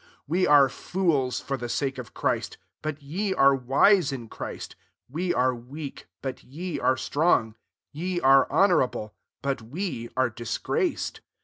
10 We are fools for the sake of Christ, but ye are wise in Christ ; we are weak, but ye are strong; ye are honourable, but we are disgraced.